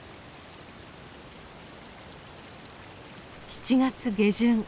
７月下旬。